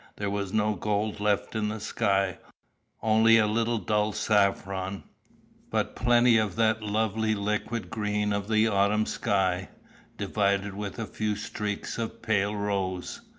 There was no gold left in the sky, only a little dull saffron, but plenty of that lovely liquid green of the autumn sky, divided with a few streaks of pale rose.